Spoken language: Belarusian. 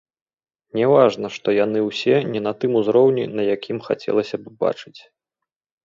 Не важна, што яны ўсе не на тым узроўні, на якім хацелася б бачыць.